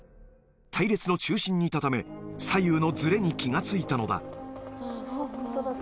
隊列の中心にいたため、左右のずれに気が付いたのだ。